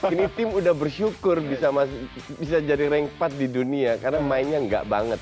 ini tim udah bersyukur bisa jadi rank empat di dunia karena mainnya enggak banget